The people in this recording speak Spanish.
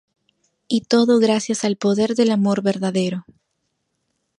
Y todo gracias al poder del amor verdadero.